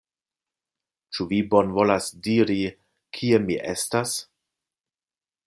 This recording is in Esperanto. Ĉu vi bonvolas diri, kie mi estas?